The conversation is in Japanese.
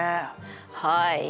はい。